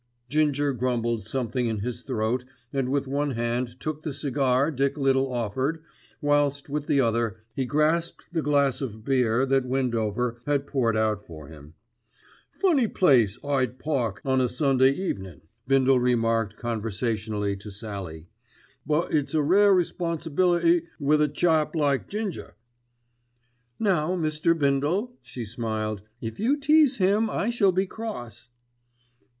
Ginger grumbled something in his throat and with one hand took the cigar Dick Little offered whilst with the other he grasped the glass of beer that Windover had poured out for him. "Funny place Hyde Park on a Sunday evenin'," Bindle remarked conversationally to Sallie; "but it's a rare responsibility with a chap like Ginger." "Now Mr. Bindle," she smiled, "if you tease him I shall be cross."